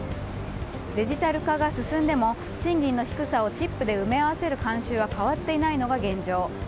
デジタル化が進んでも賃金の低さをチップで埋め合わせる慣習は変わっていないのが現状。